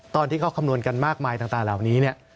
ตอนที่เขาคำนวณกันมากมายต่างเหล่านี้เนี่ย